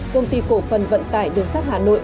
công ty cổ phần vận tải đường sắt hà nội